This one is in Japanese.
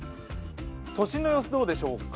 都心の様子どうでしょうか？